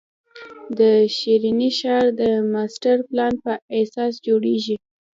د ښرنې ښار د ماسټر پلان په اساس جوړېږي.